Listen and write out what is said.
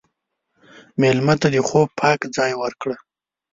مېلمه ته د خوب پاک ځای ورکړه.